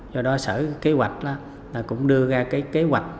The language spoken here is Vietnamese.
do đó sở kế hoạch cũng đưa ra cái kế hoạch